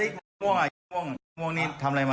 ไม่ใช่ชื่อคนอื่นผมไม่รู้ผมหันหลังมาถามอ่ะยอม